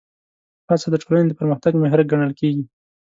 هڅه د ټولنې د پرمختګ محرک ګڼل کېږي.